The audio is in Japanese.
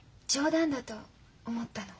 冗談だと思ったの？